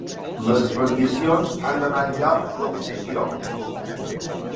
Les radiacions han donat lloc a la mutació.